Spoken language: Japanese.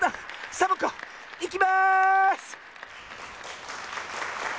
サボ子いきます！